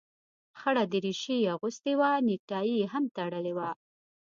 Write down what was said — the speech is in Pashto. خړه دريشي يې اغوستې وه نيكټايي يې هم تړلې وه.